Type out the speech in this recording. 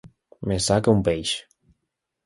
Més sa que un peix.